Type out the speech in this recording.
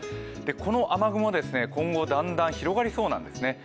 この雨雲、今後だんだん広がりそうです。